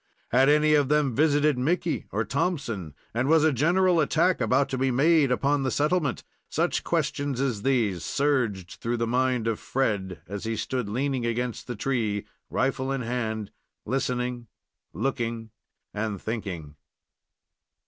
Had any of them visited Mickey or Thompson, and was a general attack about to be made upon the settlement? Such questions as these surged through the mind of Fred, as he stood leaning against the tree, rifle in hand, listening, looking, and thinking.